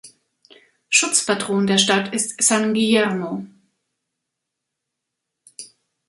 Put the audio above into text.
Schutzpatron der Stadt ist "San Guillermo".